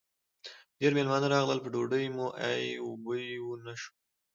ډېر مېلمانه راغلل؛ په ډوډۍ مو ای و بوی و نه شو.